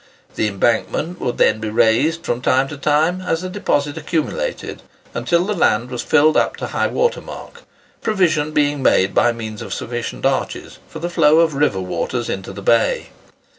The embankment would then be raised from time to time as the deposit accumulated, until the land was filled up to high water mark; provision being made by means of sufficient arches, for the flow of the river waters into the bay.